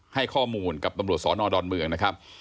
ให้ข้อมูลกับตำรวจสอนอดอนเมืองนะครับ